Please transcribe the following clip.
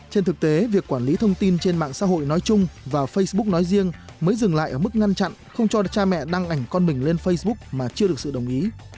trên thực tế việc quản lý thông tin trên mạng xã hội nói chung và facebook nói riêng mới dừng lại ở mức ngăn chặn không cho được cha mẹ đăng ảnh con mình lên facebook mà chưa được sự đồng ý